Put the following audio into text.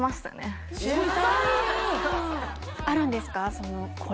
おおあるんですか？